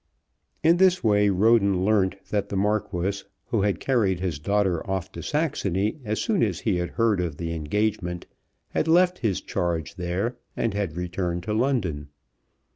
In this way Roden learnt that the Marquis, who had carried his daughter off to Saxony as soon as he had heard of the engagement, had left his charge there and had returned to London.